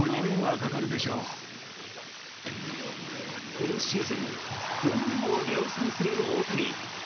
今シーズンホームランを量産する大谷。